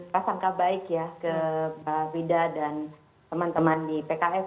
prasangka baik ya ke mbak wida dan teman teman di pks